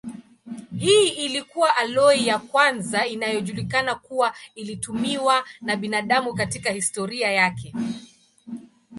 Hii ilikuwa aloi ya kwanza inayojulikana kuwa ilitumiwa na binadamu katika historia yake.